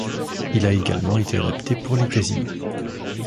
Il a été également adapté pour les casinos.